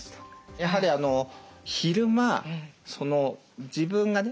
やはり昼間自分がね